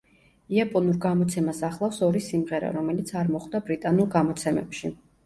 იაპონურ გამოცემას ახლავს ორი სიმღერა, რომელიც არ მოხვდა ბრიტანულ გამოცემებში.